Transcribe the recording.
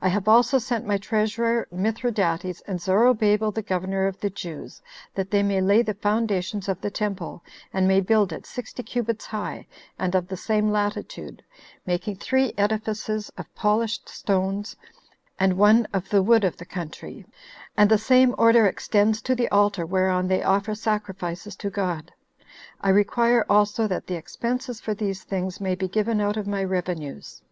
I have also sent my treasurer Mithridates, and Zorobabel, the governor of the Jews, that they may lay the foundations of the temple, and may build it sixty cubits high, and of the same latitude, making three edifices of polished stones, and one of the wood of the country, and the same order extends to the altar whereon they offer sacrifices to God. I require also that the expenses for these things may be given out of my revenues.